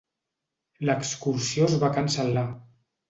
L'excursió es va cancel·lar.